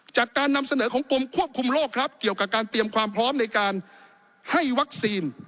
จากการนำเสนอของกรมควบคุมโรคครับเกี่ยวกับการเตรียมความพร้อมในการให้วัคซีน